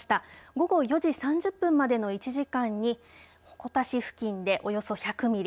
午後４時３０分までの１時間に鉾田市付近でおよそ１００ミリ